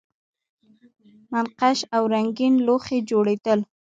منقش او رنګین لوښي جوړیدل